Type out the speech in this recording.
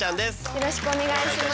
よろしくお願いします。